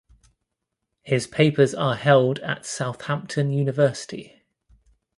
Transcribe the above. His papers are held at Southampton University.